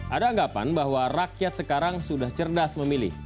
ada anggapan bahwa rakyat sekarang sudah cerdas memilih